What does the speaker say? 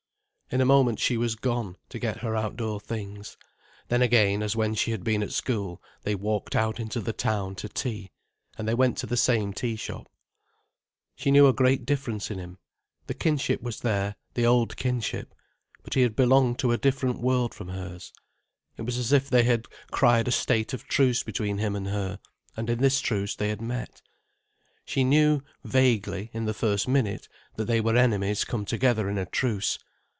In a moment she was gone, to get her outdoor things. Then again, as when she had been at school, they walked out into the town to tea. And they went to the same tea shop. She knew a great difference in him. The kinship was there, the old kinship, but he had belonged to a different world from hers. It was as if they had cried a state of truce between him and her, and in this truce they had met. She knew, vaguely, in the first minute, that they were enemies come together in a truce.